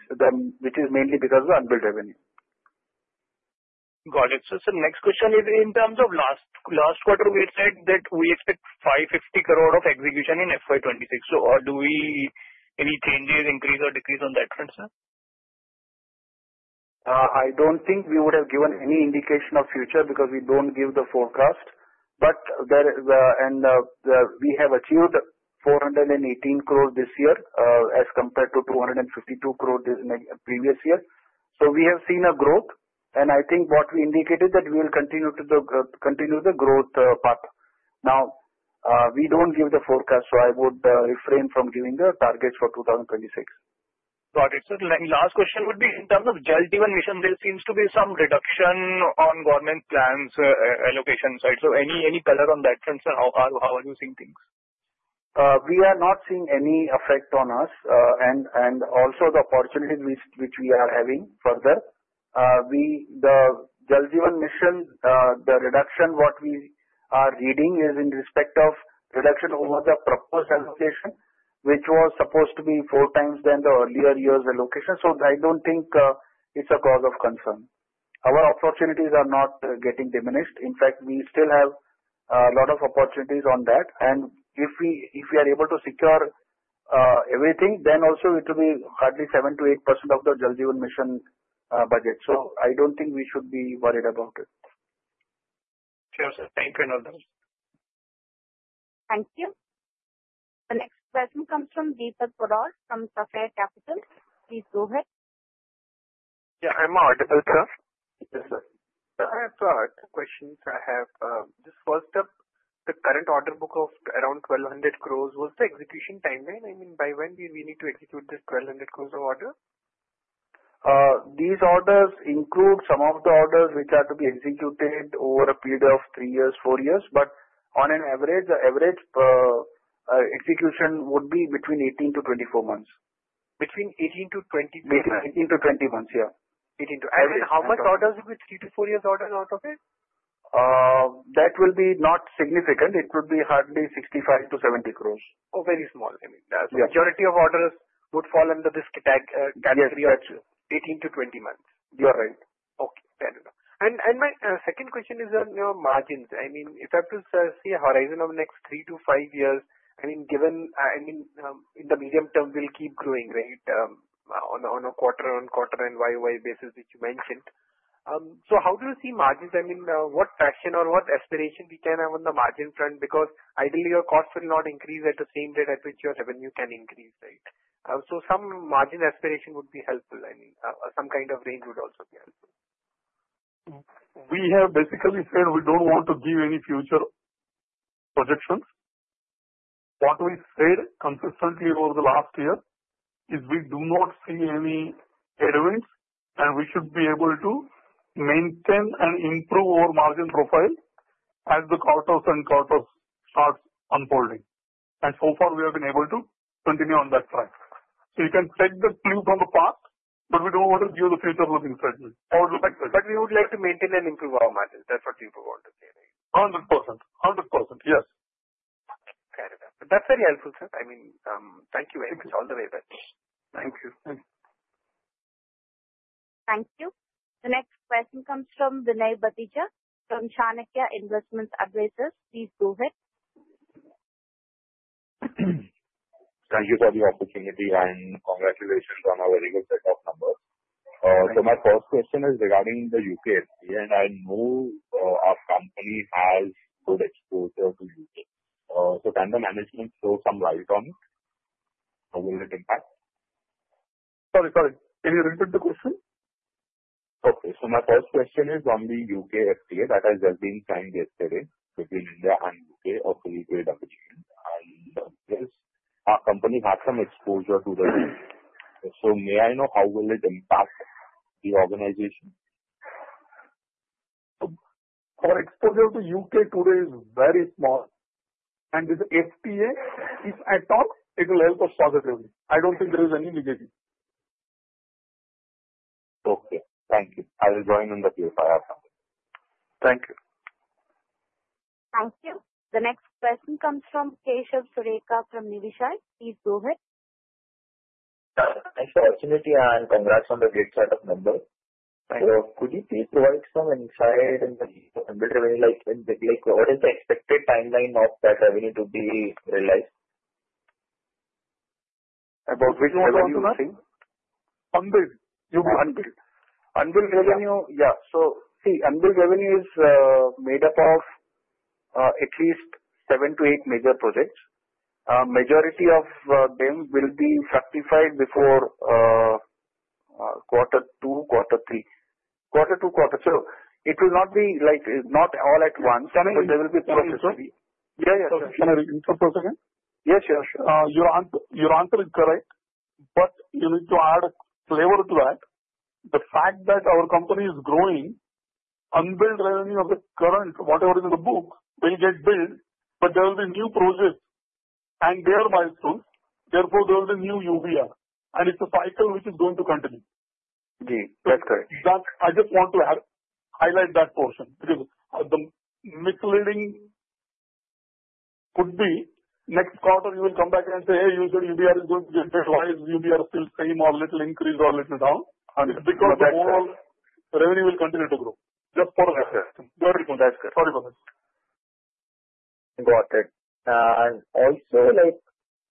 which is mainly because of the Unbilled Revenue. Got it. So sir, next question is in terms of last quarter, we said that we expect 550 crore of execution in FY26. So do we have any changes, increase, or decrease on that front, sir? I don't think we would have given any indication of future because we don't give the forecast. But we have achieved 418 crore this year as compared to 252 crore the previous year. So we have seen a growth. And I think what we indicated that we will continue to the growth path. Now, we don't give the forecast, so I would refrain from giving the targets for 2026. Got it. Sir, last question would be in terms of Jal Jeevan Mission, there seems to be some reduction on government plans allocation side. So any color on that front, sir? How are you seeing things? We are not seeing any effect on us. And also, the opportunities which we are having further, the Jal Jeevan Mission, the reduction what we are reading is in respect of reduction over the proposed allocation, which was supposed to be four times than the earlier year's allocation. So I don't think it's a cause of concern. Our opportunities are not getting diminished. In fact, we still have a lot of opportunities on that. And if we are able to secure everything, then also it will be hardly 7% to 8% of the Jal Jeevan Mission budget. So I don't think we should be worried about it. Okay, sir. Thank you. Thank you. The next question comes from Deepak Poddar from Sapphire Capital. Please go ahead. Yeah, I'm audible. Sir? Yes, sir. I have a question to have. Just first up, the current order book of around 1,200 crores—what is the execution timeline? I mean, by when do we need to execute this 1,200 crores of order? These orders include some of the orders which are to be executed over a period of three years, four years. But on an average, the average execution would be between 18 to 24 months. Between 18 to 24? Between 18 to 20 months, yeah. 18 to 20 months. And how much orders would be three to four years orders out of it? That will be not significant. It will be hardly 65 to 70 crores. Oh, very small. I mean, the majority of orders would fall under this category of 18 to 20 months. You are right. Okay. Fair enough. And my second question is on margins. I mean, if I have to see a horizon of the next three to five years, I mean, given in the medium term, we'll keep growing, right, on a quarter-on-quarter and YOY basis which you mentioned. So how do you see margins? I mean, what traction or what aspiration we can have on the margin front? Because ideally, your cost will not increase at the same rate at which your revenue can increase, right? So some margin aspiration would be helpful. I mean, some kind of range would also be helpful. We have basically said we don't want to give any future projections. What we said consistently over the last year is we do not see any headwinds, and we should be able to maintain and improve our margin profile as the quarters and quarters start unfolding. And so far, we have been able to continue on that track. So you can take the clues from the past, but we don't want to give the future-looking segment. But we would like to maintain and improve our margins. That's what people want to say, right? 100%. 100%. Yes. Okay. Fair enough. That's very helpful, sir. I mean, thank you very much all the way back. Thank you. Thank you. Thank you. The next question comes from Vinay Bathija from Chanakya Investment Advisors. Please go ahead. Thank you for the opportunity and congratulations on a very good set of numbers, so my first question is regarding the UK FTA, and I know our company has good exposure to U.K., so can the management throw some light on it? Will it impact? Sorry, sorry. Can you repeat the question? Okay. So my first question is on the UK FTA that has just been signed yesterday between India and U.K., a three-way agreement. And yes, our company has some exposure to the U.K. So may I know how will it impact the organization? Our exposure to U.K. today is very small. And this FTA, if I talk, it will help us positively. I don't think there is any negative. Okay. Thank you. I will join on the queue if I have something. Thank you. Thank you. The next question comes from Keshav Sureka from Niveshaay. Please go ahead. Thanks for the opportunity. And congrats on the great set of numbers. So could you please provide some insight on the Unbilled Revenue? What is the expected timeline of that revenue to be realized? About which revenue you're saying? Unbilled Revenue. Yeah. So see, Unbilled Revenue is made up of at least seven to eight major projects. Majority of them will be fructified before Q2, Q3. So, it will not be all at once. But there will be processes— Can I repeat the question again? Yes, yes. Your answer is correct. But you need to add flavor to that. The fact that our company is growing, unbilled revenue of the current, whatever is in the book, will get billed. But there will be new projects. And they are milestones. Therefore, there will be new UBR. And it's a cycle which is going to continue. Gee, that's correct. I just want to highlight that portion because the misleading could be next quarter, you will come back and say, "Hey, you said UBR is going to get billed. Why is UBR still the same? Or a little increase? Or a little down?" Because the whole revenue will continue to grow. Just for the question. Sorry for that. Sorry for that. Got it. And also,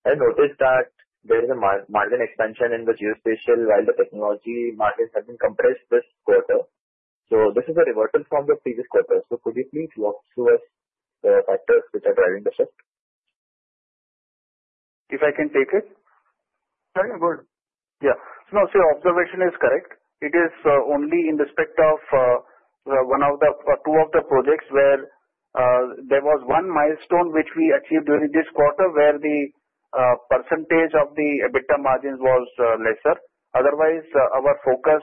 I noticed that there is a margin expansion in the Geospatial while the technology margins have been compressed this quarter. So this is a reversal from the previous quarter. So could you please walk through the factors which are driving the shift? If I can take it? Yeah, yeah, go ahead. Yeah. No, see, observation is correct. It is only in respect of one of the two of the projects where there was one milestone which we achieved during this quarter where the percentage of the EBITDA margins was lesser. Otherwise, our focus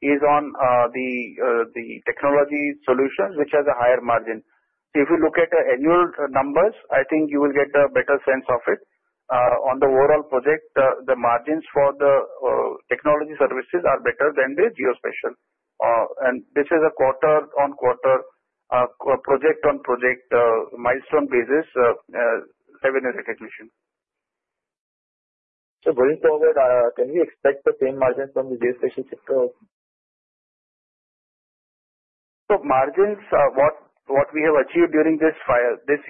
is on the Technology Solutions which has a higher margin. So if you look at the annual numbers, I think you will get a better sense of it. On the overall project, the margins for the technology services are better than the Geospatial. And this is a quarter-on-quarter, project-on-project, milestone-basis revenue recognition. So going forward, can we expect the same margins from the Geospatial sector? So, margins, what we have achieved during this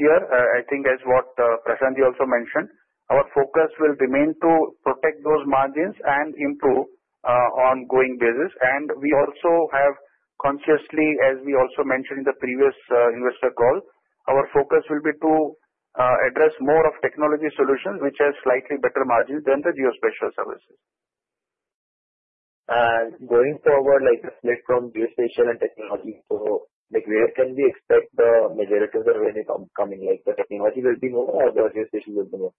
year, I think, as what Prashant also mentioned, our focus will remain to protect those margins and improve on ongoing basis. And we also have consciously, as we also mentioned in the previous investor call, our focus will be to address more of Technology Solutions which have slightly better margins than the Geospatial services. Going forward, the split from Geospatial and technology, so where can we expect the majority of the revenue coming? The technology will be more or the Geospatial will be more?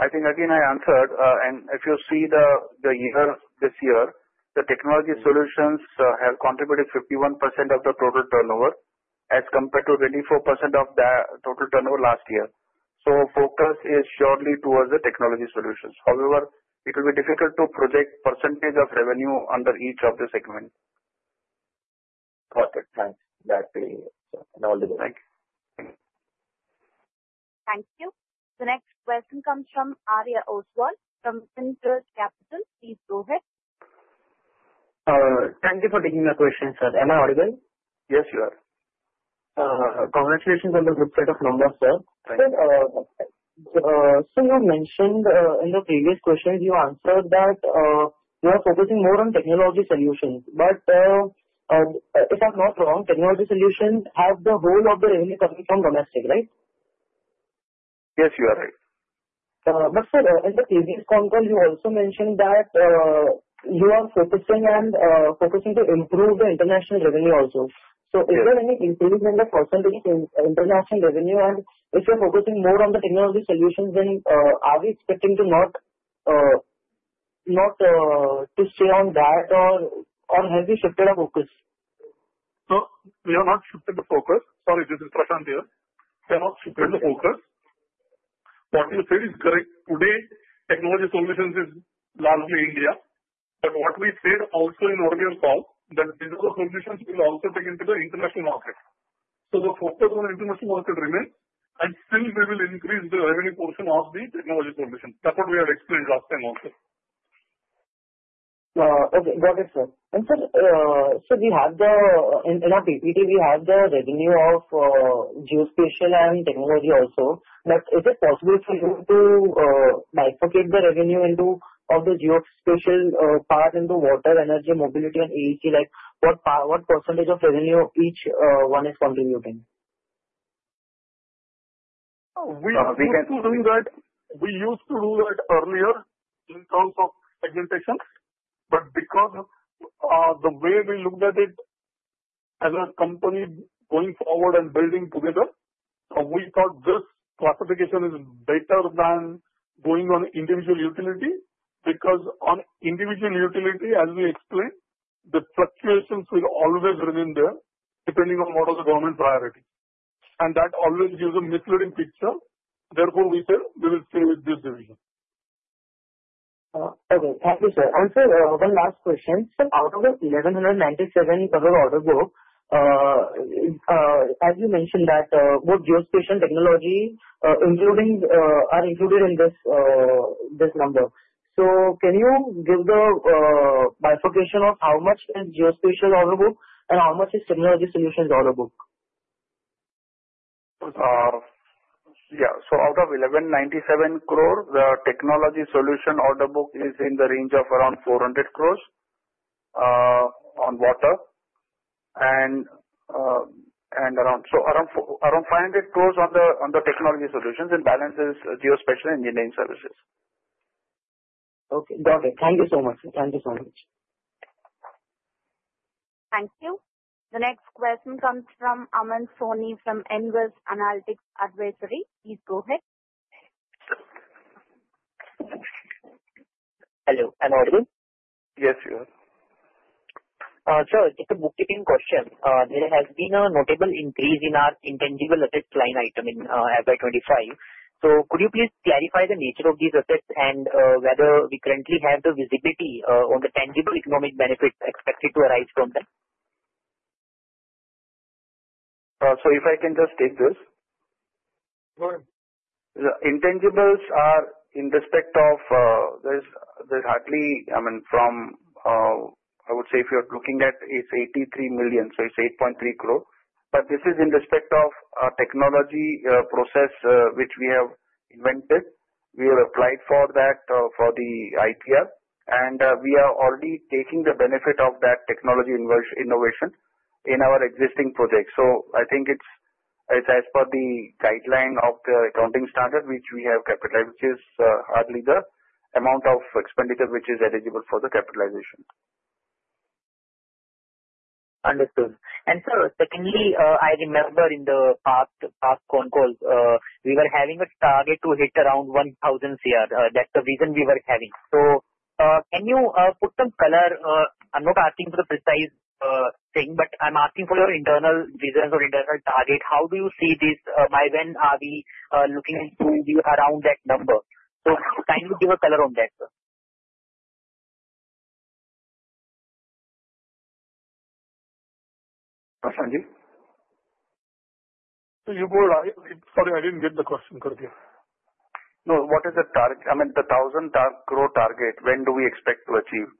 I think, again, I answered. And if you see the year this year, the Technology Solutions have contributed 51% of the total turnover as compared to 24% of the total turnover last year. So focus is surely towards the Technology Solutions. However, it will be difficult to project percentage of revenue under each of the segment. Perfect. Thanks. That's really it. And all the best. Thank you. Thank you. The next question comes from Aryan Oswal from Finterest Capital. Please go ahead. Thank you for taking my question, sir. Am I audible? Yes, you are. Congratulations on the good set of numbers, sir. Thank you. So you mentioned in the previous question, you answered that you are focusing more on Technology Solutions. But if I'm not wrong, Technology Solutions have the whole of the revenue coming from domestic, right? Yes, you are right. But, sir, in the previous call, you also mentioned that you are focusing to improve the international revenue also. So, is there any increase in the percentage in international revenue? And if you're focusing more on the Technology Solutions, then are we expecting to not stay on that, or have we shifted our focus? No, we are not shifting the focus. Sorry, this is Prashant here. We are not shifting the focus. What you said is correct. Today, Technology Solutions is largely India. But what we said also in earlier call that these are the solutions we will also take into the international market. So the focus on the international market remains. And still, we will increase the revenue portion of the Technology Solutions. That's what we had explained last time also. Okay. Got it, sir. And sir, in our PPT, we have the revenue of Geospatial and Technology also. But is it possible for you to bifurcate the revenue into all the Geospatial part and the Water, Energy, Mobility, and AEC? What percentage of revenue each one is contributing? We used to do that. We used to do that earlier in terms of segmentation. But because of the way we looked at it as a company going forward and building together, we thought this classification is better than going on individual utility because on individual utility, as we explained, the fluctuations will always remain there depending on what are the government priorities. And that always gives a misleading picture. Therefore, we said we will stay with this division. Okay. Thank you, sir. And sir, one last question. Out of the 1,197 total order book, as you mentioned, both Geospatial and Technology are included in this number. So can you give the bifurcation of how much is Geospatial order book and how much is Technology Solutions order book? Yeah. So out of 1,197 crore, the Technology Solutions order book is in the range of around 400 crores on Water. And so around 500 crores on the Technology Solutions and balances Geospatial and Engineering Services. Okay. Got it. Thank you so much. Thank you so much. Thank you. The next question comes from Aman Soni from Nvest Analytics Advisory. Please go ahead. Hello. I'm audible? Yes, you are. Sir, just a bookkeeping question. There has been a notable increase in our Intangible Assets line item in FY25, so could you please clarify the nature of these assets and whether we currently have the visibility on the tangible economic benefits expected to arise from them? So if I can just take this. Go ahead. The Intangibles are in respect of. There's hardly, I mean, from I would say if you're looking at, it's 83 million. So it's 8.3 crore. But this is in respect of technology process which we have invented. We have applied for that for the IPR. And we are already taking the benefit of that technology innovation in our existing projects. So I think it's as per the guideline of the accounting standard, which we have capitalized, which is hardly the amount of expenditure which is eligible for the capitalization. Understood, and sir, secondly, I remember in the past phone calls, we were having a target to hit around 1,000 CR. That's the vision we were having, so can you put some color? I'm not asking for the precise thing, but I'm asking for your internal vision or internal target. How do you see this? By when are we looking to be around that number, so can you give a color on that, sir? Prashant, Ji? So you go right. Sorry, I didn't get the question correctly. No, what is the target? I mean, the 1,000 crore target, when do we expect to achieve?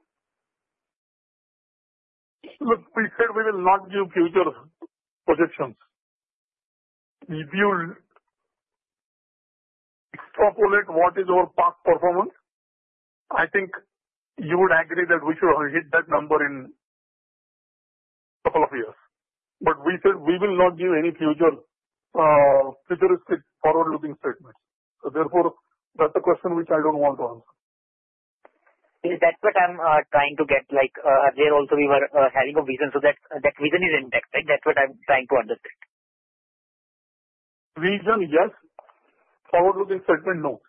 Look, we said we will not give future projections. If you extrapolate what is our past performance, I think you would agree that we should have hit that number in a couple of years. But we said we will not give any futuristic forward-looking statements. So therefore, that's a question which I don't want to answer. That's what I'm trying to get. Earlier also, we were having a vision. So that vision is index, right? That's what I'm trying to understand. Vision, yes. Forward-looking statement, no.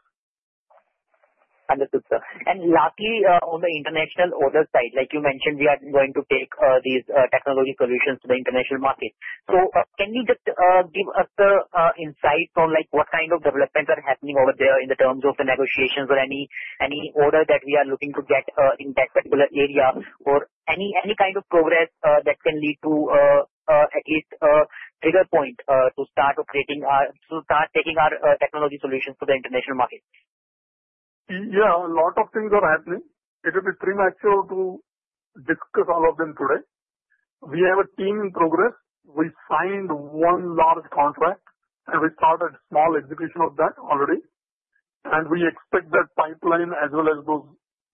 Understood, sir. And lastly, on the international order side, like you mentioned, we are going to take these Technology Solutions to the international market. So can you just give us the insights on what kind of developments are happening over there in the terms of the negotiations or any order that we are looking to get in that particular area or any kind of progress that can lead to at least a trigger point to start taking our Technology Solutions to the international market? Yeah, a lot of things are happening. It will be premature to discuss all of them today. We have a team in progress. We signed one large contract, and we started small execution of that already. And we expect that pipeline as well as those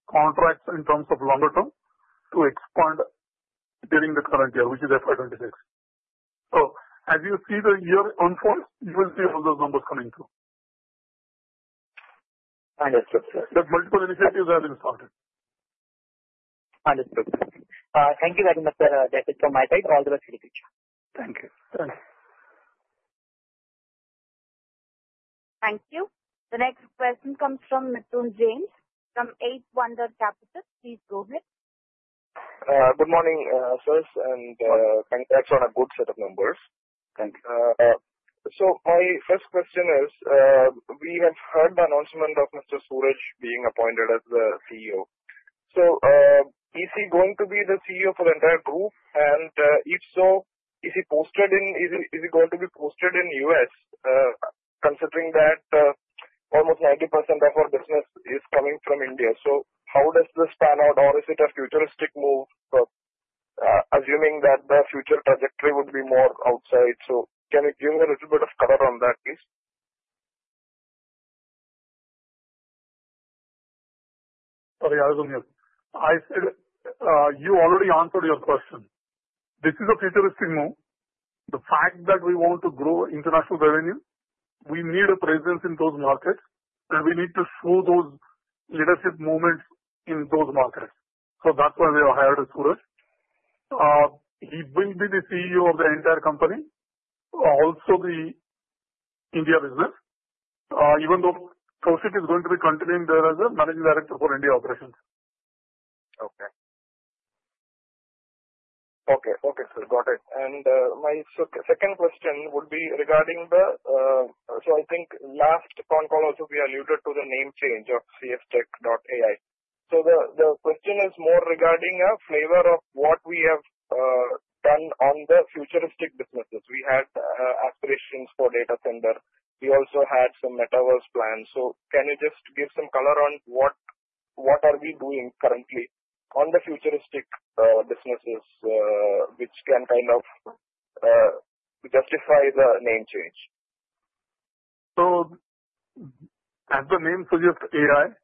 contracts in terms of longer term to expand during the current year, which is FY26. So as you see the year unfold, you will see all those numbers coming through. Understood, sir. The multiple initiatives have been started. Understood. Thank you very much, sir, that is from my side. All the best for the future. Thank you. Thanks. Thank you. The next question comes from Midhun James from Eighth Wonder Capital. Please go ahead. Good morning, sir, and thanks for a good set of numbers. Thank you. My first question is, we have heard the announcement of Mr. Surej being appointed as the CEO. Is he going to be the CEO for the entire group? And if so, is he going to be posted in the U.S., considering that almost 90% of our business is coming from India? So how does this pan out? Or is it a futuristic move, assuming that the future trajectory would be more outside? Can you give a little bit of color on that, please? Sorry, I was on mute. You already answered your question. This is a futuristic move. The fact that we want to grow international revenue, we need a presence in those markets, and we need to show those leadership moments in those markets. So that's why we have hired Surej. He will be the CEO of the entire company, also the India business, even though Kaushik is going to be continuing there as a Managing Director for India Operations. Okay, sir. Got it. And my second question would be regarding, so I think last phone call also, we alluded to the name change of CS Tech AI. So, the question is more regarding a flavor of what we have done on the futuristic businesses. We had aspirations for data center. We also had some metaverse plans. So can you just give some color on what are we doing currently on the futuristic businesses which can kind of justify the name change? So as the name suggests, AI.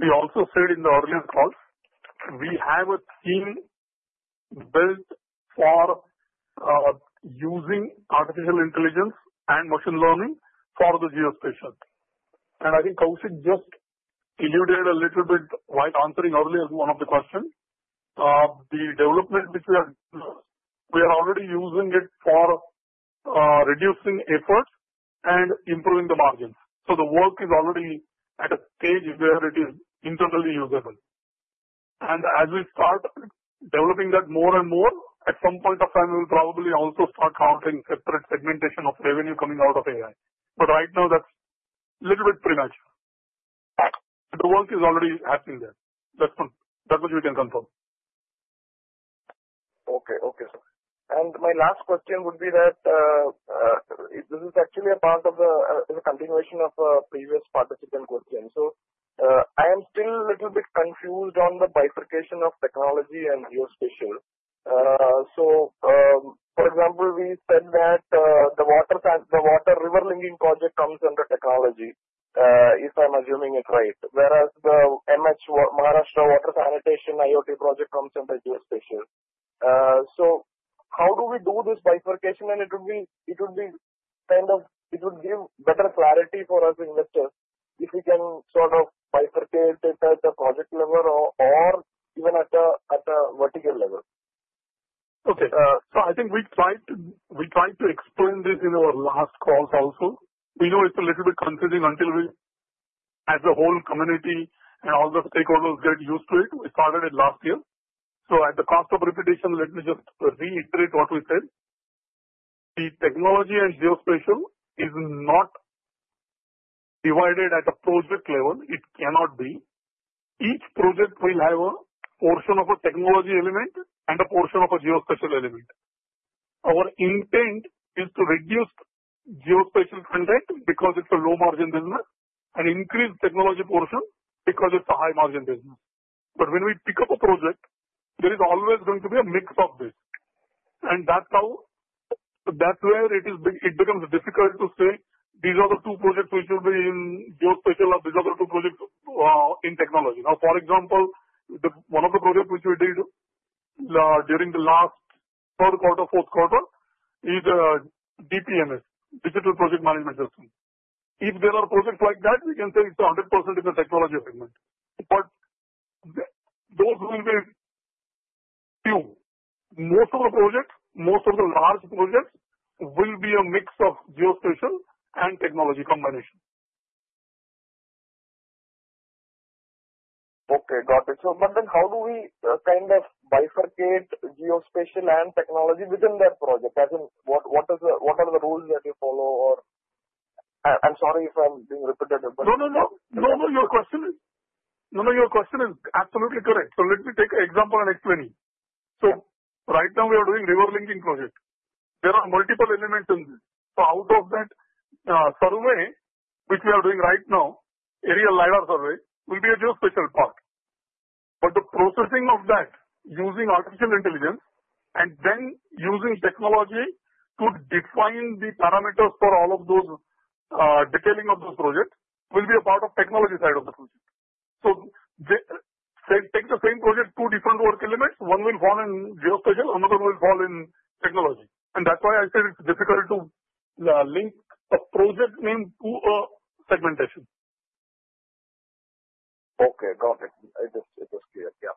We also said in the earlier calls we have a team built for using artificial intelligence and machine learning for the Geospatial. And I think Kaushik just alluded a little bit while answering earlier one of the questions. The development which we have, we are already using it for reducing effort and improving the margins. So the work is already at a stage where it is internally usable. And as we start developing that more and more, at some point of time, we will probably also start counting separate segmentation of revenue coming out of AI. But right now, that's a little bit premature. The work is already happening there. That's what we can confirm. Okay, okay, sir, and my last question would be that this is actually a part of the continuation of a previous participant question. So I am still a little bit confused on the bifurcation of Technology and Geospatial. So for example, we said that the Water River Linking Project comes under Technology, if I'm assuming it right, whereas the Maharashtra Water Sanitation IoT Project comes under Geospatial. So how do we do this bifurcation? And it would kind of give better clarity for us investors if we can sort of bifurcate it at the project level or even at a vertical level. Okay. So I think we tried to explain this in our last calls also. We know it's a little bit confusing until we, as a whole community and all the stakeholders, get used to it. We started it last year. So at the cost of repetition, let me just reiterate what we said. The Technology and Geospatial is not divided at a project level. It cannot be. Each project will have a portion of a technology element and a portion of a Geospatial element. Our intent is to reduce Geospatial content because it's a low-margin business and increase technology portion because it's a high-margin business. But when we pick up a project, there is always going to be a mix of this. That's where it becomes difficult to say, "These are the two projects which will be in Geospatial, or these are the two projects in Technology." Now, for example, one of the projects which we did during the last Q3, Q4 is DPMS (Digital Project Management System). If there are projects like that, we can say it's 100% in the Technology segment. But those will be few. Most of the projects, most of the large projects will be a mix of Geospatial and Technology combination. Okay, got it. So Mandan, how do we kind of bifurcate Geospatial and Technology within that project? What are the rules that you follow? Or I'm sorry if I'm being repetitive, but— No, no, no. No, no, your question is no, no, your question is absolutely correct. So let me take an example and explain it. So right now, we are doing River Linking Project. There are multiple elements in this. So out of that survey, which we are doing right now, aerial LiDAR survey, will be a Geospatial part. But the processing of that using artificial intelligence and then using technology to define the parameters for all of those detailing of the project will be a part of Technology side of the project. So take the same project, two different work elements. One will fall in Geospatial, another one will fall in Technology. And that's why I said it's difficult to link a project name to a segmentation. Okay, got it. It is clear. Yeah.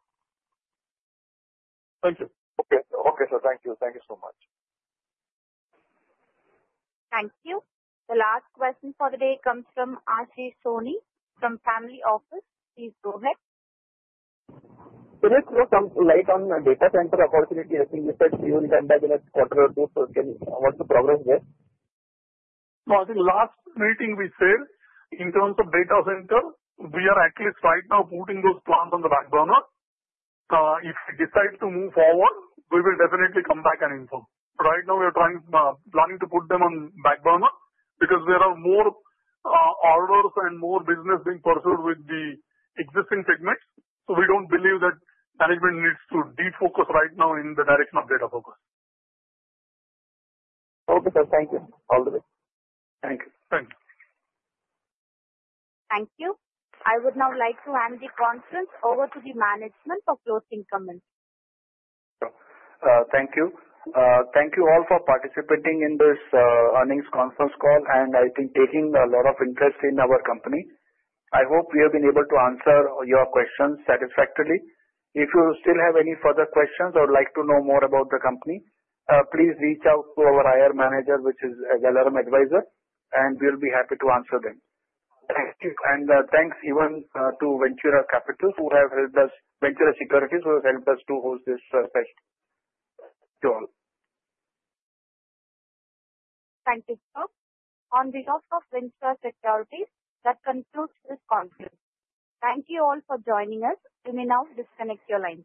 Thank you. Okay, okay, sir. Thank you. Thank you so much. Thank you. The last question for the day comes from Ashish Soni from Family Office. Please go ahead. Sure. Sir, some light on data center opportunity. I think you said you will come back in a quarter or two. So what's the progress there? No, I think last meeting we said in terms of data center, we are at least right now putting those plans on the back burner. If we decide to move forward, we will definitely come back and inform. Right now, we are planning to put them on back burner because there are more orders and more business being pursued with the existing segments, so we don't believe that management needs to defocus right now in the direction of data centers. Okay, sir. Thank you. All the best. Thank you. Thank you. Thank you. I would now like to hand the conference over to the management for closing comments. Thank you. Thank you all for participating in this earnings conference call and, I think, taking a lot of interest in our company. I hope we have been able to answer your questions satisfactorily. If you still have any further questions or would like to know more about the company, please reach out to our IR manager, which is a Valorem Advisors, and we will be happy to answer them. And thanks even to Ventura Capital who have helped us, Ventura Securities who have helped us to host this session. Thank you all. Thank you, sir. On behalf of Ventura Securities, that concludes this conference. Thank you all for joining us. You may now disconnect your line.